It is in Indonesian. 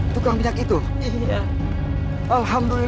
tukang minyak itu